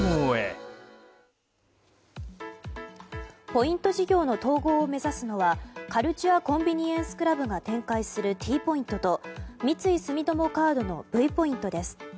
ポイント事業の統合を目指すのはカルチュア・コンビニエンス・クラブが展開するＴポイントと三井住友カードのＶポイントです。